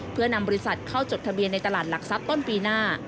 เพื่อนำบริษัทเข้าจดทะเบียนในตลาดหลักทรัพย์ต้นปีหน้า